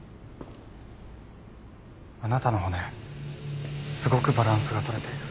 あなたの骨すごくバランスが取れている。